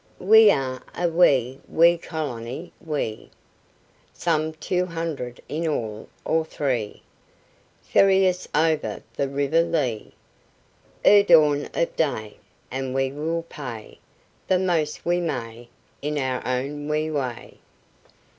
We are a wee, wee colony, we; Some two hundred in all, or three, Ferry us over the river Lee, Ere dawn of day, And we will pay The most we may In our own wee way!"